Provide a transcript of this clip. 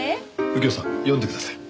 右京さん読んでください。